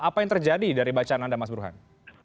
apa yang terjadi dari bacaan anda mas burhan